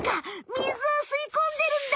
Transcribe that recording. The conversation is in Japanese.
水を吸い込んでるんだ！